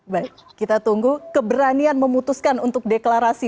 baik kita tunggu keberanian memutuskan untuk deklarasi